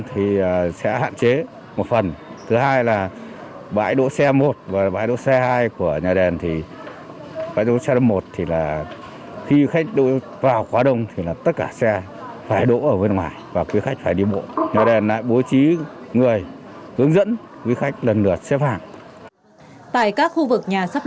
tại các khu vực nhà sắp lễ